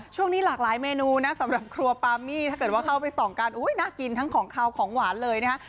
ช่วงนี้หลากหลายเมนูนะสำหรับครัวปามี่ถ้าเกิดว่าเข้าไปส่องกันน่ากินทั้งของขาวของหวานเลยนะฮะ